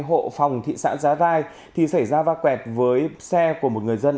hộ phòng thị xã giá rai thì xảy ra va quẹt với xe của một người dân